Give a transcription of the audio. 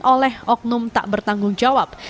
oleh oknum tak bertanggung jawab